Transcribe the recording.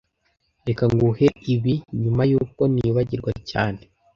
Reka nguhe ibi nyuma yuko nibagirwa cyane